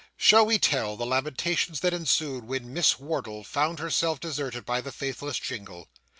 Shall we tell the lamentations that ensued when Miss Wardle found herself deserted by the faithless Jingle?